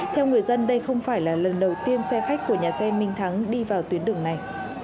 theo người dân đây không phải là lần đầu tiên xe khách của nhà xe minh thắng đi vào tuyến đường này